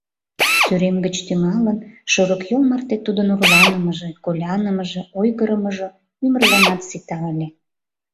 Сӱрем гыч тӱҥалын, шорыкйол марте тудын орланымыже, колянымыже, ойгырымыжо — ӱмырланат сита ыле.